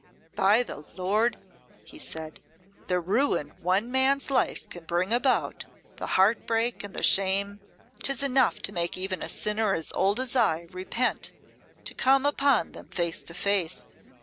"By the Lord!" he said, "the ruin one man's life can bring about, the heartbreak, and the shame! 'Tis enough to make even a sinner as old as I, repent, to come upon them face to face.